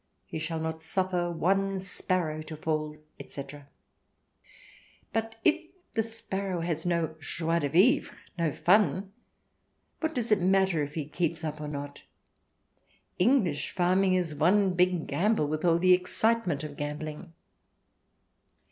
He shall not suffer one sparrow to fall, etc., but if the sparrow has no joie de vivre, no fun, what does it matter if he keeps up or not ? English farming is one big gamble, with all the excitement of gambling."